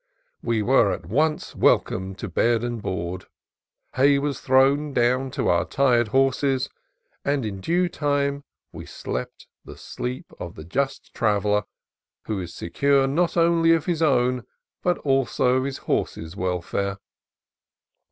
We were at once wel comed to bed and board, hay was thrown down to our tired horses, and in due time we slept the sleep A FARMER OF THE BEST TYPE n of the just traveller who is secure not only of his own but also of his horse's welfare.